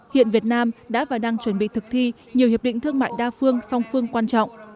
hiện việt nam đã và đang chuẩn bị thực thi nhiều hiệp định thương mại đa phương song phương quan trọng